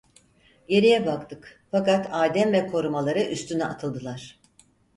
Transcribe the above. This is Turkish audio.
Geriye baktık, fakat Adem ve korumaları üstüne atıldılar.